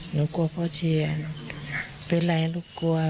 หนูกลัวพ่อเชียร์หนูเป็นไรลูกกลัว